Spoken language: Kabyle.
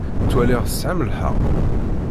Ttwaliɣ tesɛam lḥeqq.